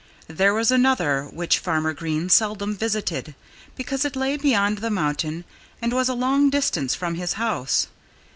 There was another which Farmer Green seldom visited, because it lay beyond the mountain and was a long distance from his house.